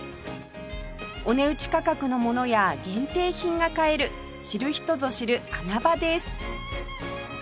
お値打ち価格のものや限定品が買える知る人ぞ知る穴場です